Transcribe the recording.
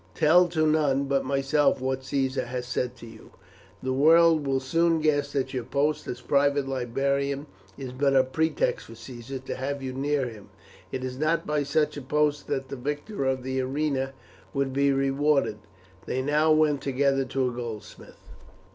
Tell to none but myself what Caesar has said to you. The world will soon guess that your post as private librarian is but a pretext for Caesar to have you near him. It is not by such a post that the victor of the arena would be rewarded." They now went together to a goldsmith.